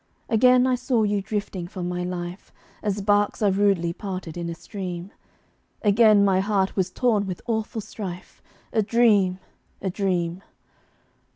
Again I saw you drifting from my life, As barques are rudely parted in a stream; Again my heart was torn with awful strife: A dream a dream!